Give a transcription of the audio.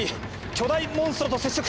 巨大モンストロと接触。